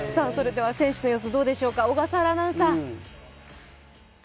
選手の様子どうでしょうか小笠原アナウンサー。